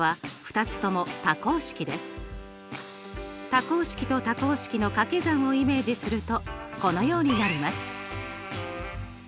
多項式と多項式の掛け算をイメージするとこのようになります！